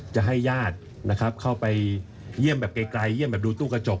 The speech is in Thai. จะให้ญาตินะครับเข้าไปเยี่ยมแบบไกลเยี่ยมแบบดูตู้กระจก